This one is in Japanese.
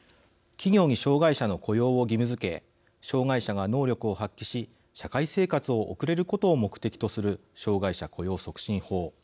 企業に障害者の雇用を義務づけ障害者が能力を発揮し社会生活を送れることを目的とする障害者雇用促進法。